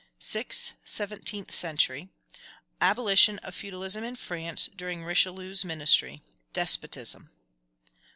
6. Seventeenth century. Abolition of feudalism in France during Richelieu's ministry. Despotism.